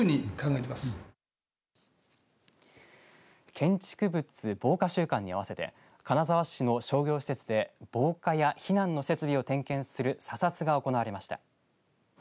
建築物防火週間に合わせて金沢市の商業施設で防火や避難の設備を点検する査察が行われました。